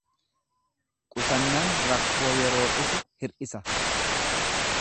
Qusannaan rakkoo yeroo dhufu hir’isa.